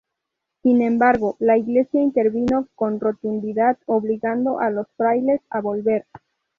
Sin embargo, la iglesia intervino con rotundidad, obligando a los frailes a volver.